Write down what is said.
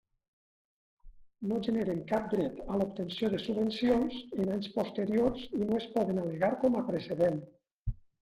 No generen cap dret a l'obtenció de subvencions en anys posteriors i no es poden al·legar com a precedent.